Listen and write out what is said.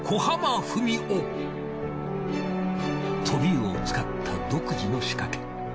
とびうおを使った独自の仕掛け。